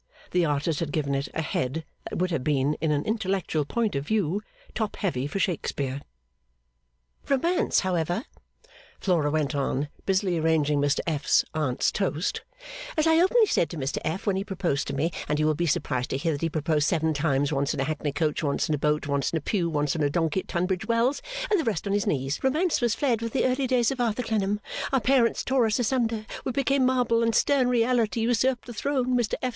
The artist had given it a head that would have been, in an intellectual point of view, top heavy for Shakespeare. 'Romance, however,' Flora went on, busily arranging Mr F.'s Aunt's toast, 'as I openly said to Mr F. when he proposed to me and you will be surprised to hear that he proposed seven times once in a hackney coach once in a boat once in a pew once on a donkey at Tunbridge Wells and the rest on his knees, Romance was fled with the early days of Arthur Clennam, our parents tore us asunder we became marble and stern reality usurped the throne, Mr F.